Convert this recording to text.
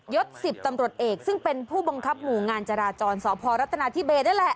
ศ๑๐ตำรวจเอกซึ่งเป็นผู้บังคับหมู่งานจราจรสพรัฐนาธิเบนั่นแหละ